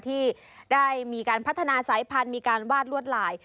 ที่ได้มีการพัฒนาสายพันธุ์มีการวาดลวดลาย